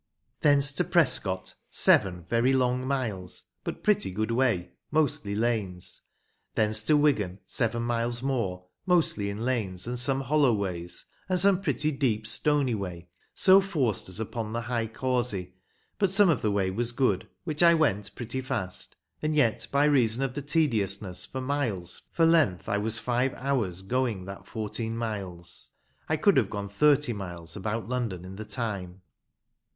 Thence to Prescote, seven very long miles, but pretty good way, mostly lanes. Thence to Wigan, seven miles more, mostly in lanes, and some hollow ways, and some pretty deep stony way, so forced us upon the high causey, but some of the way was good, which I went pretty fast, and yet by reason of the tediousness for miles for length I was five hours going that fourteen miles. I could have gone thirty miles about London in the time.